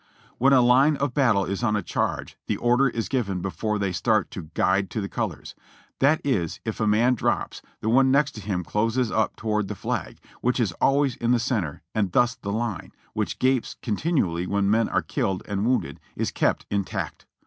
When a line of battle is on a charge the order is given before they start to "guide to the colors;" that is, if a man drops, the one next him closes up toward the flag, which is always in the center, and thus the line, which gaps continually when men are killed and wounded, is kept intact.